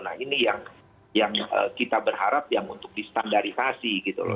nah ini yang kita berharap yang untuk distandarisasi gitu loh